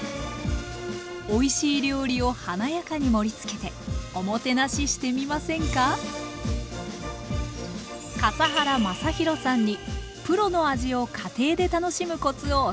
おいしい料理を華やかに盛りつけておもてなししてみませんか笠原将弘さんにプロの味を家庭で楽しむコツを教わります